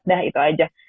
nah itu aja